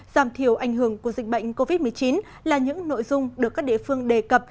giảm thiểu ảnh hưởng của dịch bệnh covid một mươi chín là những nội dung được các địa phương đề cập